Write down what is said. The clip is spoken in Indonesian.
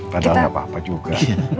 padahal nggak apa apa juga